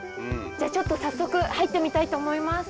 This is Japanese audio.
じゃあちょっと早速入ってみたいと思います。